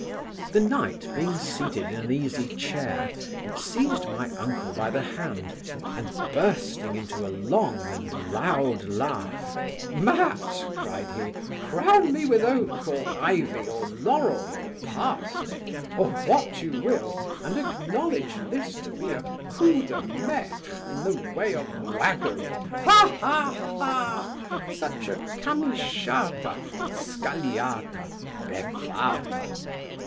The knight being seated in an easy chair, seized my uncle by the hand, and bursting into a long and loud laugh, 'Matt (cried he), crown me with oak, or ivy, or laurel, or parsely, or what you will, and acknowledge this to be a coup de maitre in the way of waggery ha, ha, ha! Such a camisciata, scagliata, beffata!